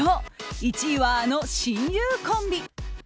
１位はあの親友コンビ。